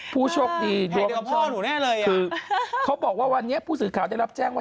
ผู้โชคดีคือเขาบอกว่าวันนี้พูดสื่อข่าวได้รับแจ้งว่า